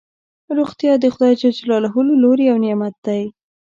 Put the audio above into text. روغتیا دخدای ج له لوری یو نعمت دی